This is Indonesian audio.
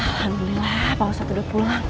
alhamdulillah pak ustadz udah pulang